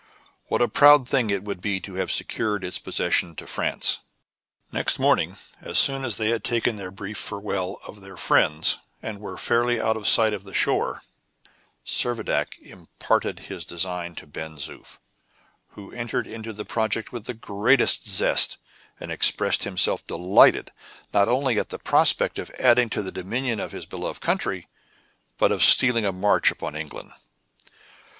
What a proud thing it would be to have secured its possession to France!" Next morning, as soon as they had taken their brief farewell of their friends, and were fairly out of sight of the shore, Servadac imparted his design to Ben Zoof, who entered into the project with the greatest zest, and expressed himself delighted, not only at the prospect of adding to the dominions of his beloved country, but of stealing a march upon England.